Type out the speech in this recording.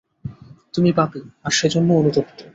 তুমি পাপী, আর সেজন্য অনুতপ্ত!